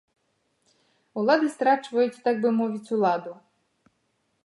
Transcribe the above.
Улады страчваюць, так бы мовіць, уладу.